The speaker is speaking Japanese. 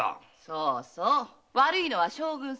そうそう悪いのは将軍様。